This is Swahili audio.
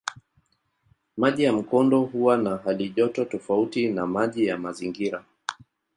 Maji ya mkondo huwa na halijoto tofauti na maji ya mazingira.